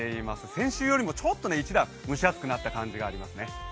先週よりもちょっと一段蒸し暑くなった感じがありますね。